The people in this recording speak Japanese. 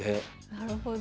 なるほど。